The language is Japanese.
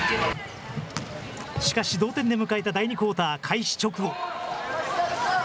しかし、同点で迎えた第２クオーター開始直後。